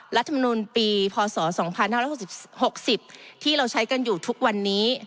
รัฐมนุนปีพศ๒๕๖๐ที่เราใช้กันอยู่ทุกวันนี้